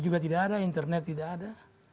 juga tidak ada internet tidak ada